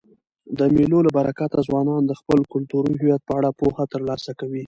د مېلو له برکته ځوانان د خپل کلتوري هویت په اړه پوهه ترلاسه کوي.